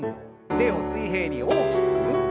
腕を水平に大きく。